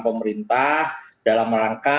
pemerintah dalam rangka